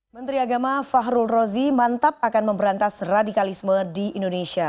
menteri agama fahrul rozi mantap akan memberantas radikalisme di indonesia